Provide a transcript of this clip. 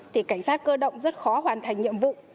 thì cảnh sát cơ động rất khó hoàn thành nhiệm vụ